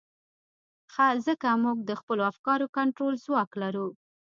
ځکه موږ د خپلو افکارو د کنټرول ځواک لرو.